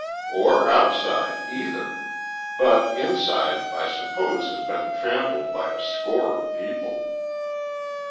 "Or outside, either. But inside, I suppose has been trampled by a score of people!"